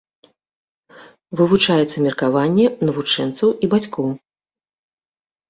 Вывучаецца меркаванне навучэнцаў і бацькоў.